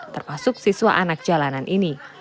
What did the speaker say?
termasuk siswa anak jalanan ini